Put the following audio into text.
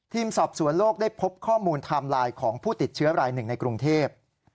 สอบสวนโลกได้พบข้อมูลไทม์ไลน์ของผู้ติดเชื้อรายหนึ่งในกรุงเทพ